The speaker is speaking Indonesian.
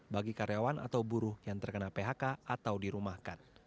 bagi karyawan atau buruh yang terkena phk atau dirumahkan